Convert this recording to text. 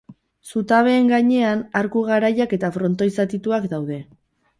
Zutabeen gainean arku garaiak eta frontoi zatituak daude.